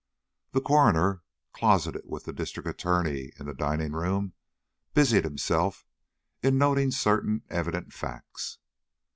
The coroner, closeted with the District Attorney in the dining room, busied himself in noting certain evident facts.